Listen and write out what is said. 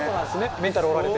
メンタル折られて。